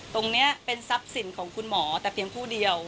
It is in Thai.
ตรงนี้เป็นทรัพย์สินของคุณหมอแต่เพียงผู้เดียว